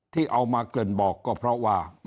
ที่เอามาเกริ่นบอกก็เพราะว่า